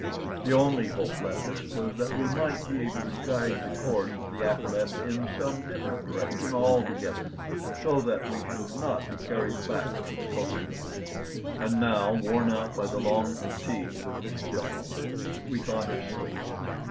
The only hope left us was that we might be able to guide the course of the athaleb in some different direction altogether, so that we should not be carried back to the Kosekin. And now, worn out by the long fatigues of this jom, we thought of sleep.